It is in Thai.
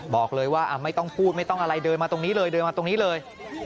บอกเลยว่าไม่ต้องพูดไม่ต้องอะไรเดินมาตรงนี้เลย